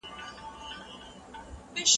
څنګه د خلګو شخصي معلومات خوندي ساتل کیږي؟